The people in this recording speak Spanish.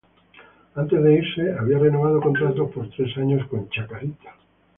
Antes de irse había renovado contrato por tres años con Chacarita.